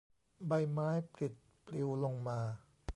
ใบไม้ปลิดปลิวลงมา